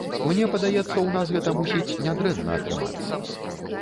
Мне падаецца ў нас гэта мусіць не дрэнна атрымацца.